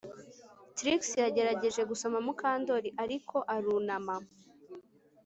Trix yagerageje gusoma Mukandoli ariko arunama